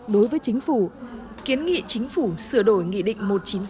đối với chính phủ kiến nghị chính phủ sửa đổi nghị định một trăm chín mươi sáu hai nghìn một mươi ba